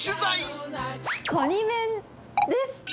カニ面です。